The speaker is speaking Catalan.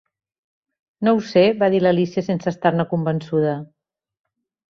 "No ho sé", va dir l'Alícia sense estar-ne convençuda.